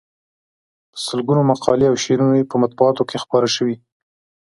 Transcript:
په سلګونو مقالې او شعرونه یې په مطبوعاتو کې خپاره شوي.